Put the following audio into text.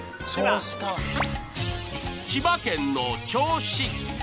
千葉県の銚子。